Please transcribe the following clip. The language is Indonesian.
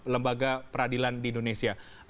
lembaga peradilan di indonesia